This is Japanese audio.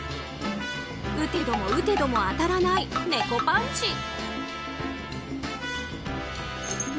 打てども打てども当たらない猫パンチ。